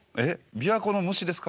琵琶湖の虫ですか？